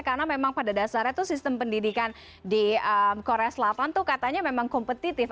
karena memang pada dasarnya itu sistem pendidikan di korea selatan itu katanya memang kompetitif